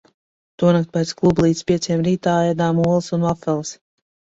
Tonakt pēc kluba līdz pieciem rītā ēdām olas un vafeles.